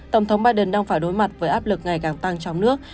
tổng thống biden đang phải đối mặt với áp lực ngày càng tăng trong nước